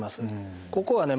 ここはね